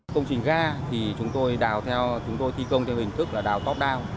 công trình ga thì chúng tôi đào theo chúng tôi thi công theo hình thức là đào top down